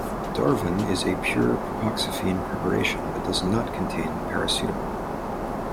Darvon is a pure propoxyphene preparation that does not contain paracetamol.